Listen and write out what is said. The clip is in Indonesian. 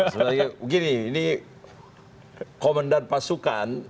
sebenarnya begini ini komandan pasukan